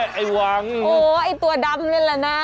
อ้าวไอ้หวังโอ้ไอ้ตัวดำได้มั้ยล่ะนะ